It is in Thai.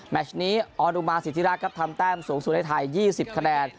แมทช์นี้ออดุมาสิธิรักครับทำแต้มสูงสูงให้ถ่าย๒๐คะแดน